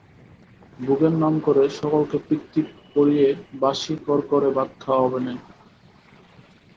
ভোগের নাম করে সকলকে পিত্তি পড়িয়ে বাসি কড়কড়ে ভাত খাওয়াবে না।